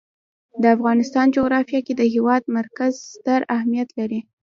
د افغانستان جغرافیه کې د هېواد مرکز ستر اهمیت لري.